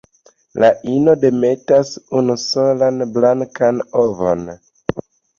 La ino demetas unusolan blankan ovon.